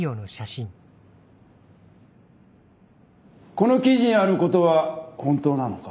この記事にあることは本当なのか？